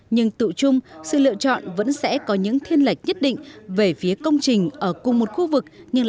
nhưng tự chung sự lựa chọn vẫn sẽ có những thiên lệch nhất định về phía công trình